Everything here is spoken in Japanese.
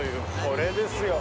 これですよ。